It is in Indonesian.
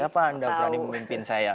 siapa anda yang berani memimpin saya